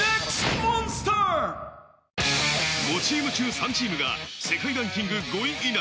５チーム中、３チームが世界ランキング５位以内。